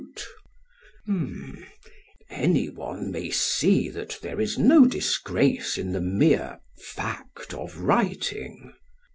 SOCRATES: Any one may see that there is no disgrace in the mere fact of writing.